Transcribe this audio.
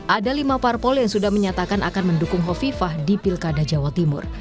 ada lima parpol yang sudah menyatakan akan mendukung hovifah di pilkada jawa timur